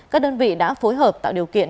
các đơn vị đã phối hợp tạo điều kiện